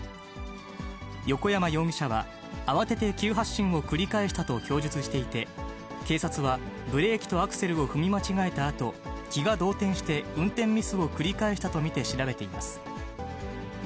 横山容疑者は、慌てて急発進を繰り返したと供述していて、警察は、ブレーキとアクセルを踏み間違えたあと、気が動転して運転ミスを繰り返したと見て調べています。